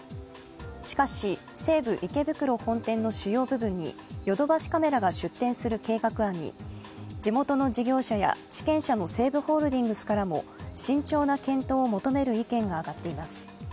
しかし、西武池袋本店の主要部分にヨドバシカメラが出展する計画案に地元の事業者や地権者の西武ホールディングスからも慎重な検討を求める意見が上っています。